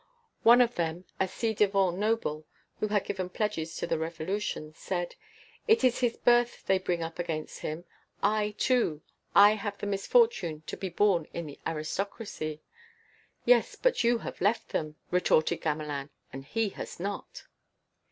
One of them, a ci devant noble, who had given pledges to the Revolution, said: "Is it his birth they bring up against him? I, too, I have had the misfortune to be born in the aristocracy." "Yes, but you have left them," retorted Gamelin, "and he has not."